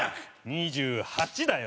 ２８だよ！